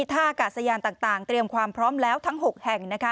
ท่ากาศยานต่างเตรียมความพร้อมแล้วทั้ง๖แห่งนะคะ